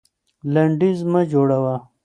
لنډيز مه جوړوه.